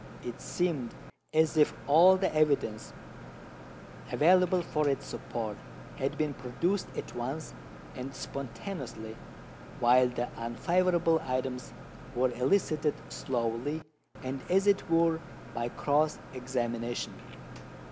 It seemed as if all the evidence available for its support had been produced at once and spontaneously, while the unfavourable items were elicited slowly, and, as it were, by cross examination.